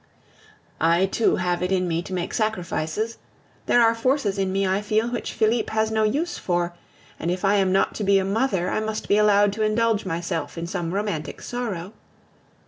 I too have it in me to make sacrifices! There are forces in me, I feel, which Felipe has no use for; and if I am not to be a mother, I must be allowed to indulge myself in some romantic sorrow.